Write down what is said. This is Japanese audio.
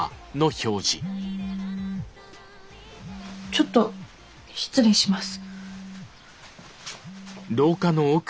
ちょっと失礼します。